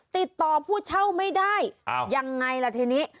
ติดต่อผู้เช่าไม่ได้ยังไงล่ะทีนี้